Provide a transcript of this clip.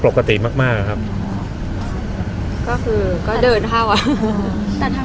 ภาษาสนิทยาลัยสุดท้าย